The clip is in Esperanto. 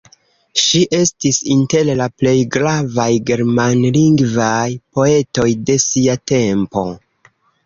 Ŝi estis inter la plej gravaj germanlingvaj poetoj de sia tempo.